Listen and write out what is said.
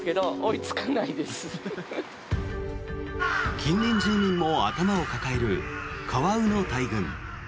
近隣住民も頭を抱えるカワウの大群。